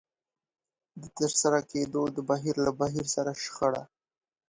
د ترسره کېدو د بهير له بهير سره شخړه.